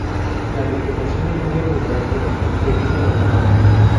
La vegetación es muy abundante, debido a la humedad.